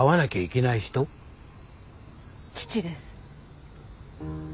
父です。